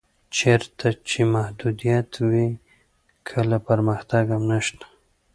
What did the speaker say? چېرته چې محدودیت وي کله پرمختګ هم نشته.